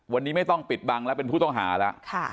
วันนี้ไม่ต้องปิดบังแล้วเป็นผู้ต้องหาแล้ว